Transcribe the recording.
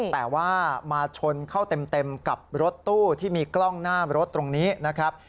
แต่ว่ามาชนเข้าเต็มกับรถตู้ที่มีกล้องหน้ารถตรงนี้นะครับ